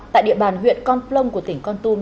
tại địa bàn huyện con plông của tỉnh con tung